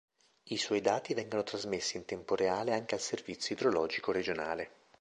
I suoi dati vengono trasmessi in tempo reale anche al servizio idrologico regionale.